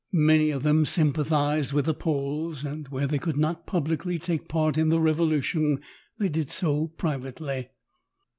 Many of them sympathized with the Poles, and where they eould not publiely take part in the revolution they did so privately.